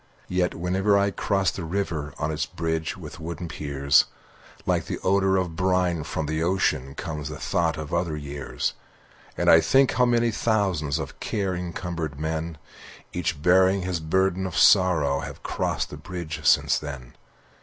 Yet whenever I cross the river On its bridge with wooden piers, Like the odor of brine from the ocean Comes the thought of other years. And I think how many thousands Of care encumbered men, Each bearing his burden of sorrow, Have crossed the bridge since then.